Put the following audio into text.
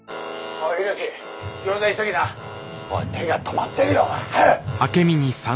おい手が止まってるよ。早く！」。